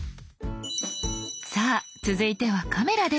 さぁ続いてはカメラです。